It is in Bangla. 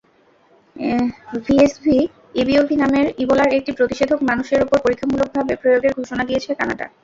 ভিএসভি-ইবিওভি নামের ইবোলার একটি প্রতিষেধক মানুষের ওপর পরীক্ষামূলকভাবে প্রয়োগের ঘোষণা দিয়েছে কানাডা।